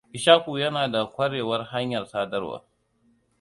Ishaku yana da ƙwarewar hanyar sadarwa.